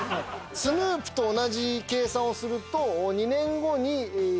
スヌープと同じ計算をすると。